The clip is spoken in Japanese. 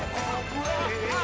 えっ！